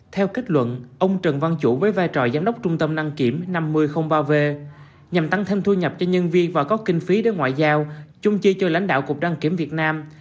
theo kết luận ông trần văn chủ với vai trò giám đốc trung tâm đăng kiểm năm mươi ba v nhằm tăng thêm thu nhập cho nhân viên và có kinh phí để ngoại giao chung chi cho lãnh đạo cục đăng kiểm việt nam